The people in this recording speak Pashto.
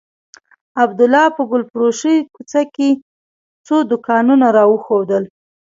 عبدالله په ګلفروشۍ کوڅه کښې څو دوکانونه راوښوول.